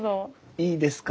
いいですか？